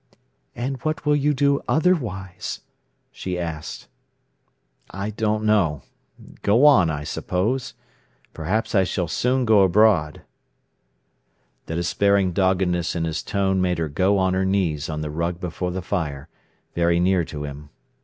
"And what will you do otherwise?" she asked. "I don't know—go on, I suppose. Perhaps I shall soon go abroad." The despairing doggedness in his tone made her go on her knees on the rug before the fire, very near to him.